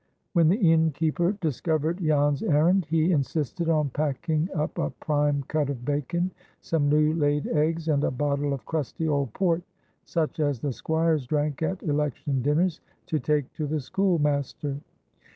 When the innkeeper discovered Jan's errand, he insisted on packing up a prime cut of bacon, some new laid eggs, and a bottle of "crusty" old port, such as the squires drank at election dinners, to take to the schoolmaster.